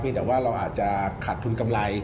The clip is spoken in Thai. แต่ว่าเราอาจจะขาดทุนกำไร